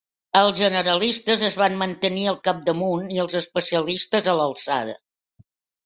Els generalistes es van mantenir al capdamunt, i els especialistes a l'alçada.